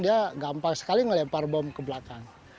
dia gampang sekali melempar bom ke belakang